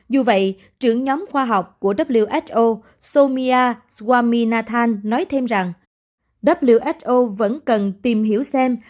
dù vậy trưởng nhóm khoa học của who soumya swaminathan nói thêm rằng who vẫn cần tìm hiểu xem